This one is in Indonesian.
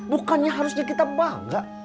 bukannya harusnya kita bangga